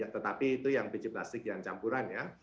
tetapi itu yang biji plastik yang campuran ya